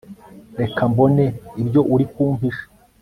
reka mbone ibyo uri kumpisha